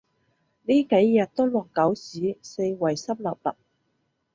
呢幾日都落狗屎，四圍濕 𣲷𣲷